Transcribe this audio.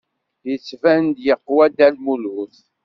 Yettban-d yeqwa Dda Lmulud.